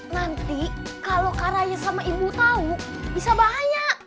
nanti kalau kak raya sama ibu tau bisa bahaya